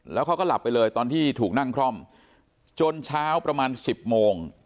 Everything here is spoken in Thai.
แล้วเขาก็หลับไปเลยตอนที่ถูกนั่งคล่อมจนเช้าประมาณสิบโมง